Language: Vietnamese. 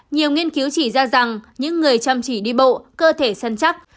nhiều nghiên cứu chỉ ra rằng những người chăm chỉ đi bộ cơ thể săn chắc